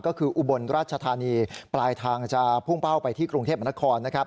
ก็คืออุบลราชธานีปลายทางจะพุ่งเป้าไปที่กรุงเทพมนครนะครับ